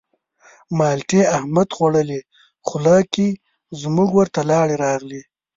مالټې احمد خوړلې خوله کې زموږ ورته لاړې راغلې.